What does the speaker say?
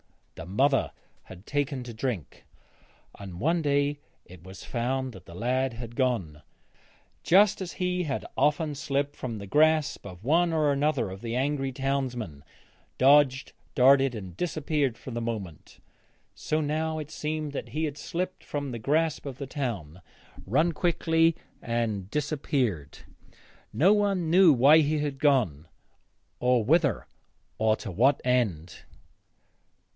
The mother had taken to drink, and one day it was found that the lad was gone. Just as he had often slipped from the grasp of one or other of the angry townsmen, dodged, darted, and disappeared for the moment, so now it seemed that he had slipped from the grasp of the town, run quickly and disappeared. No one knew why he had gone, or whither, or to what end.